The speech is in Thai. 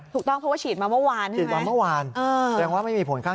ถูกต้องเพราะว่าฉีดมาเมื่อวาน